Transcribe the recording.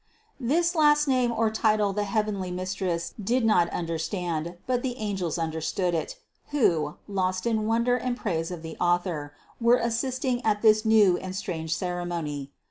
This last name or title the heavenly Mis tress did not understand; but the angels understood it, 342 CITY OF GOD who, lost in wonder and praise of the Author, were as sisting at this new and strange ceremony.